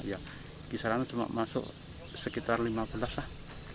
ya kisaran itu cuma masuk sekitar lima belas lah